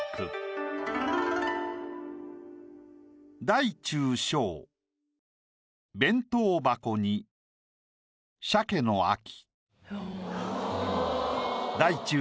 「大中小弁当箱に鮭の秋」。